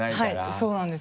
そうなんです。